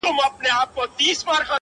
چي دولت لري صاحب د لوړ مقام دي,